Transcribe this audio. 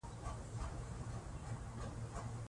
د خلکو بې اعتنايي خطر لري